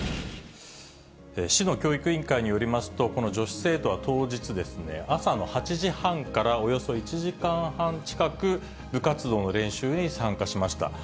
市の教育委員会によりますと、この女子生徒は当日、朝の８時半からおよそ１時間半近く、部活動の練習に参加しました。